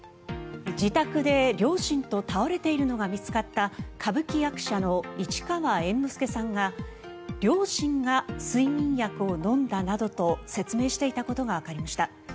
自宅で両親と倒れているのが見つかった歌舞伎役者の市川猿之助さんが両親が睡眠薬を飲んだなどと説明していたことがわかりました。